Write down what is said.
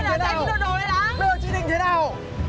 bây giờ chị định thế nào